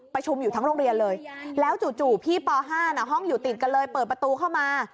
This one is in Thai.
ประชุมอยู่ทั้งโรงเรียนเลยแล้วจู่พี่ป๕ห้องอยู่ติดกันเลยเปิดประตูเข้ามา